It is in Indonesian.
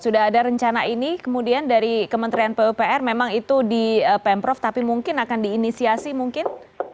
sudah ada rencana ini kemudian dari kementerian pupr memang itu di pemprov tapi mungkin akan diinisiasi mungkin